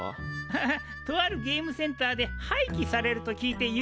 ハハッとあるゲームセンターではいきされると聞いてゆずり受けた。